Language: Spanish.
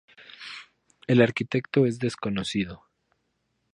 El arquitecto es desconocido.